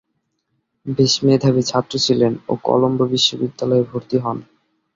বেশ মেধাবী ছাত্র ছিলেন ও কলম্বো বিশ্ববিদ্যালয়ে ভর্তি হন।